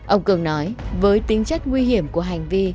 ông cường nói với tính chất nguy hiểm của hành vi